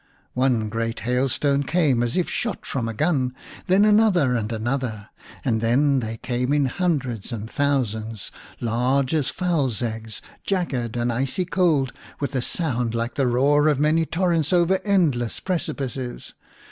One great hailstone came as if shot from a gun, then another and another, and then they came in hundreds and thousands, large as fowls' eggs, jagged and icy cold, with a sound like the roar of many torrents over endless precipices.